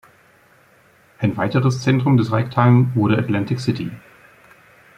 Ein weiteres Zentrum des Ragtime wurde Atlantic City.